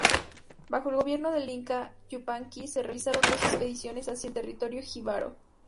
Bajo el gobierno del Inca Yupanqui se realizaron dos expediciones hacia el territorio jíbaro.